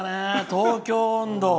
「東京音頭」。